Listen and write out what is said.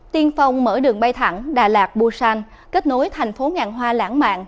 tiên phong mở đường bay thẳng đà lạt busan kết nối thành phố ngàn hoa lãng mạn